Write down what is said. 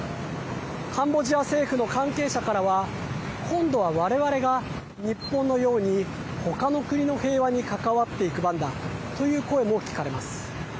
カンボジア政府の関係者からは今度は我々が日本のように他の国の平和に関わっていく番だという声も聞かれます。